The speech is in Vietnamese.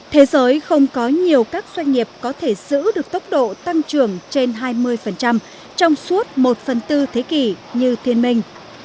thế giới không có nhiều các doanh nghiệp có thể giữ được tốc độ tăng trưởng trên hai mươi trong suốt một phần tư thế kỷ như thiên minh